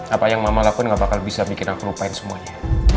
apa yang mama lakuin gak bakal bisa bikin aku lupain semuanya